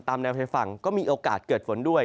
แนวชายฝั่งก็มีโอกาสเกิดฝนด้วย